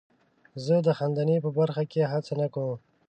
زه د خندنۍ په برخه کې هڅه نه کوم.